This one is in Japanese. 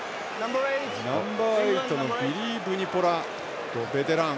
ナンバーエイトのビリー・ブニポラ、ベテラン。